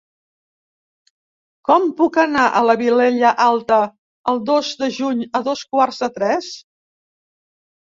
Com puc anar a la Vilella Alta el dos de juny a dos quarts de tres?